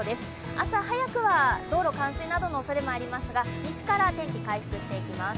朝早くは道路冠水などのおそれもありますが西から天気回復していきます。